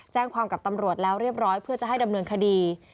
แจ้งความกับตำรวจแล้วเรียบร้อยเพื่อจะให้ดำเนินคดี